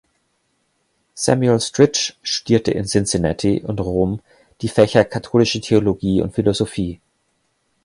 Samuel Stritch studierte in Cincinnati und Rom die Fächer Katholische Theologie und Philosophie.